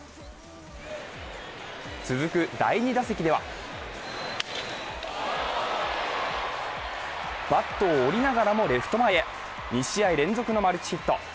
続く第２打席ではバットを折りながらもレフト前へ２試合連続のマルチヒット。